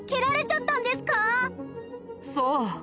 そう。